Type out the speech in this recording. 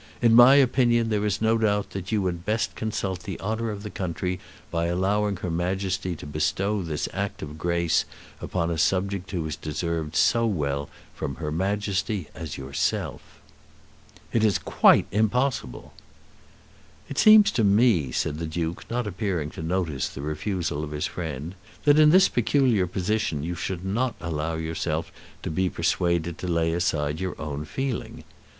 "In my opinion there is no doubt that you would best consult the honour of the country by allowing her Majesty to bestow this act of grace upon a subject who has deserved so well from her Majesty as yourself." "It is quite impossible." "It seems to me," said the Duke, not appearing to notice the refusal of his friend, "that in this peculiar position you should allow yourself to be persuaded to lay aside your own feeling.